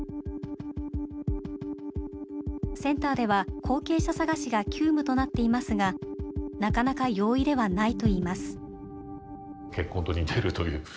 センターでは後継者探しが急務となっていますがなかなか容易ではないといいます。